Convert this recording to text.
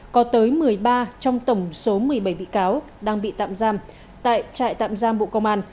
có tới một mươi ba trong tổng số một mươi bảy bị cáo đang bị tạm giam tại trại tạm giam bộ công an